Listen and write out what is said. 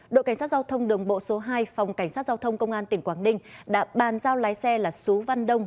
đội cảnh sát giao thông đường bộ số hai phòng cảnh sát giao thông công an tỉnh quảng ninh đã bàn giao lái xe là sú văn đông